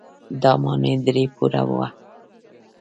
دا ماڼۍ درې پوړه وه.